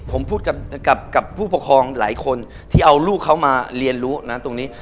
ผมพูดกับผู้ปกครองหลายคนที่เอาลูกเขามาเรียนรู้นะตรงนี้